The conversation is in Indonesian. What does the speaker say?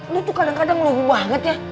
lo tuh kadang kadang logu banget ya